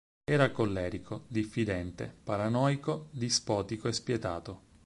Era collerico, diffidente, paranoico, dispotico e spietato.